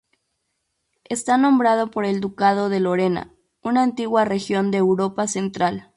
Está nombrado por el Ducado de Lorena, una antigua región de Europa central.